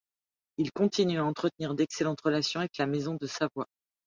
Il continue à entretenir d'excellentes relations avec la maison de Savoie.